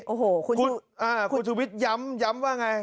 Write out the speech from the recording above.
โอ้โหคุณชูวิทย้ำย้ำว่าไง